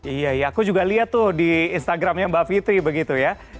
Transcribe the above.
iya iya aku juga lihat tuh di instagramnya mbak fitri begitu ya